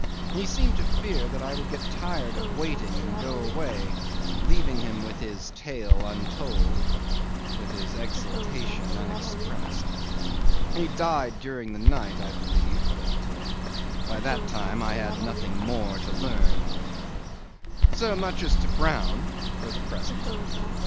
He seemed to fear that I would get tired of waiting and go away, leaving him with his tale untold, with his exultation unexpressed. He died during the night, I believe, but by that time I had nothing more to learn. 'So much as to Brown, for the present.